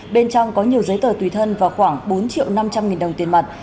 bên trong có nhiều giấy tờ tùy thân và khoảng bốn triệu năm trăm linh nghìn đồng tiền mặt